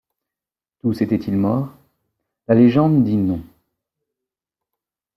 Tous étaient-ils morts? la légende dit non.